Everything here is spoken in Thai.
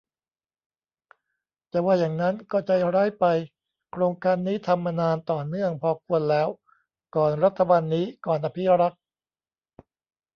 จะว่าอย่างนั้นก็ใจร้ายไป โครงการนี้ทำมานานต่อเนื่องพอควรแล้ว ก่อนรัฐบาลนี้ ก่อนอภิรักษ์